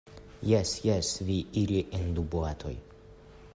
Jes, jes, vi iri en du boatoj.